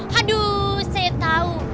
haduh saya tahu